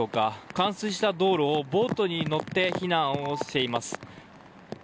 冠水した道路をボートに乗って避難をしています。